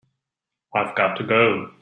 I've got to go.